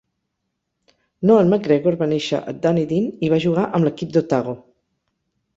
Noel McGregor va néixer a Dunedin i va jugar amb l'equip d'Otago.